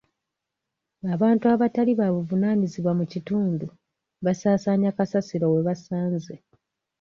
Abantu abatali ba buvunaanyizibwa mu kitundu basaasaanya kasasiro we basanze.